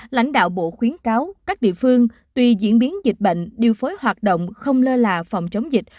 lãnh đạo bộ khuyến cáo các địa phương tùy diễn biến dịch bệnh điều phối hoạt động không lơ là phòng chống dịch